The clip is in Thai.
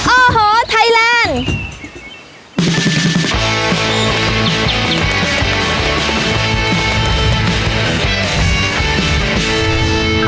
โอ้โหไทยแลนด์